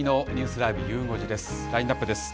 ラインナップです。